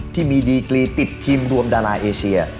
ที่มีดีกรีติดทีมรวมดาราเอเชีย